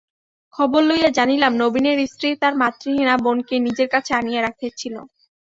খবর লইয়া জানিলাম, নবীনের স্ত্রী তার মাতৃহীনা বোনকে নিজের কাছে আনিয়া রাখিয়াছিল।